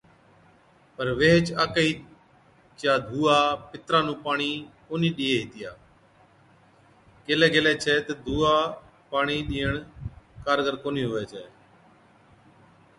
پر ويھِچ آڪھِي چا ڌُوئا پِتران نُون پاڻِي ڪونھِي ڏِيئَي ھِتيا (ڪيهلَي گيلَي ڇَي تہ ڌُوئا پاڻِي ڏِيئڻ ڪارگر ڪونهِي هُوَي ڇَي)